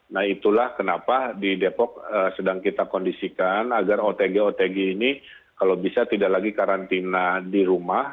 nah itulah kenapa di depok sedang kita kondisikan agar otg otg ini kalau bisa tidak lagi karantina di rumah